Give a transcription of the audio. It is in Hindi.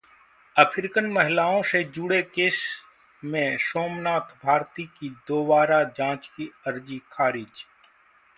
अफ्रीकन महिलाओं से जुड़े केस में सोमनाथ भारती की दोबारा जांच की अर्जी खारिज